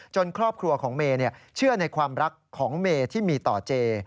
ครอบครัวของเมย์เชื่อในความรักของเมที่มีต่อเจ